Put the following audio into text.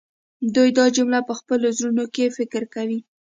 دوی دا جمله په خپلو زړونو کې فکر کوي